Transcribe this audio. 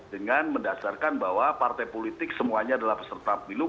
dengan mendasarkan bahwa partai politik semuanya adalah peserta pemilu